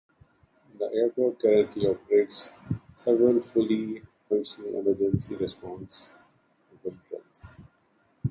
The airport currently operates several fully functional emergency response vehicles.